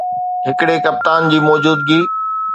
ھڪڙي ڪپتان جي موجودگي